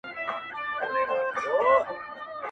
نقادان يې تحليل کوي تل,